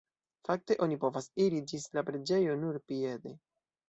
Fakte oni povas iri ĝis la preĝejo nur piede.